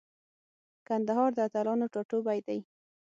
کندهار د اتلانو ټاټوبی دی.